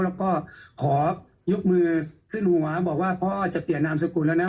แล้วก็ขอยกมือขึ้นหัวบอกว่าพ่อจะเปลี่ยนนามสกุลแล้วนะ